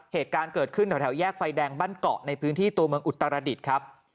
เหตุการณ์เกิดขึ้นแถวแยกไฟแดงบ้านเกาะในพื้นที่ตัวเมืองอุตรดิษฐ์ครับ